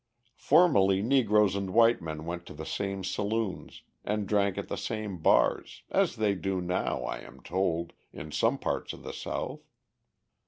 Formerly Negroes and white men went to the same saloons, and drank at the same bars, as they do now, I am told, in some parts of the South.